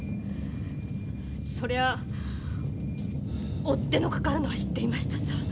そりゃ追っ手のかかるのは知っていましたさ。